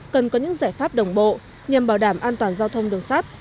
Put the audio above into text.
cần có những giải pháp đồng bộ nhằm bảo đảm an toàn giao thông đường sắt